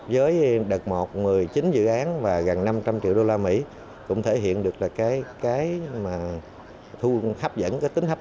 với đợt một một mươi chín dự án và gần năm trăm linh triệu usd cũng thể hiện được tính hấp dẫn của bình dương trong việc thu hút đầu tư đến bình dương